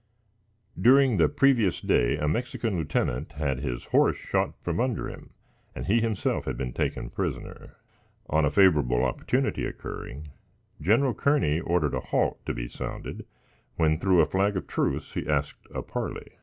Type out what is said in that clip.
During the previous day, a Mexican lieutenant had his horse shot from under him and he himself had been taken prisoner. On a favorable opportunity occurring, General Kearney ordered the "halt" to be sounded; when, through a flag of truce, he asked a parley.